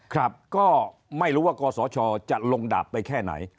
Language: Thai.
ครับก็ไม่รู้ว่ากศชจะลงดาบไปแค่ไหน